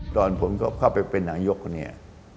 ตอนผมเข้าไปเป็นนายกเนี่ย